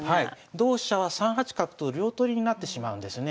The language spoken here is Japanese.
同飛車は３八角と両取りになってしまうんですね。